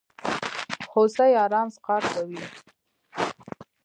هوسۍ ارام څښاک کوي.